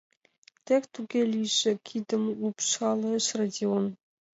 — Тек туге лийже! — кидым лупшалеш Родион.